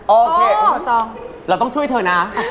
โอเคเราต้องช่วยเธอนะ